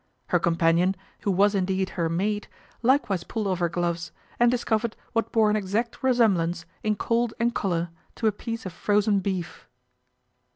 Her companion, who was indeed her maid, likewise pulled off her gloves, and discovered what bore an exact resemblance, in cold and colour, to a piece of frozen beef.